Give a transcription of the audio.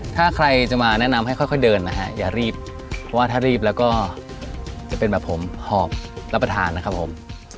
ถ้าใครมาแนะนำให้ค่อยเดินอย่ารีบถ้ารีบจะเป็นแบบผมหอบรับประทานนะครับผม